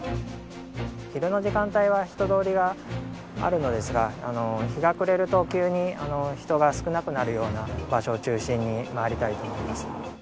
昼の時間帯は人通りがあるのですが日が暮れると急に人が少なくなるような場所を中心に回りたいと思います。